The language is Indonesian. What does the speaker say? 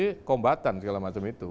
yang kelembatan segala macam itu